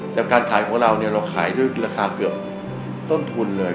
แต่การขายของเราเนี่ยเราขายด้วยราคาเกือบต้นทุนเลย